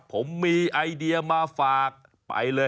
ผมมีไอเดียมาฝากไปเลย